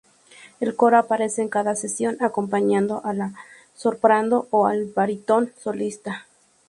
El coro aparece en cada sección, acompañando a la soprano o al barítono solista.